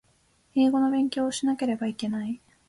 英語の勉強をしなければいけない